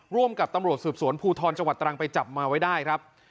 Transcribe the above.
ร่วมกับตำรวจสืบสวนภูทรจังหวัดตรังไปจับมาไว้ได้ครับ